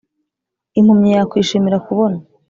impumyi yakwishimira kubona.